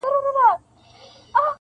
د زړه ښار کي مي آباده میخانه یې,